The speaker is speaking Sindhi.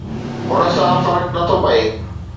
هن سان فرق نٿو پئي